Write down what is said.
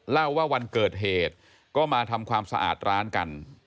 เล่าว่าวันเกิดเหตุก็มาทำความสะอาดร้านกัน